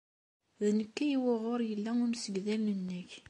D nekk ay wuɣur yella umsegdal-nnek.